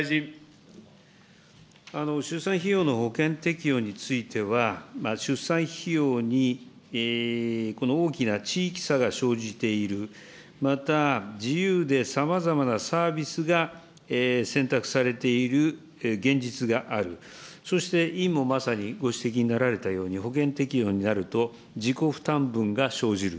出産費用の保険適用については、出産費用に大きな地域差が生じている、また自由でさまざまなサービスが選択されている現実がある、そして委員もまさにご指摘になったように、保険適用になると、自己負担分が生じる。